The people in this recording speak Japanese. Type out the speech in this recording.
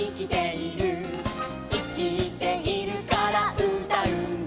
「いきているからうたうんだ」